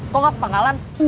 kok gak kepangkalan